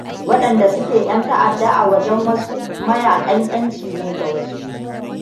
Waɗanda suke yan ta'adda a wajen wasu, mayaƙan ʻyanci ne ga wasu.